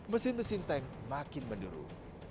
mesin mesin tank makin menduru